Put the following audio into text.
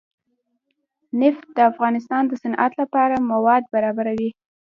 نفت د افغانستان د صنعت لپاره مواد برابروي.